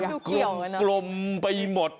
มันกลมไปหมด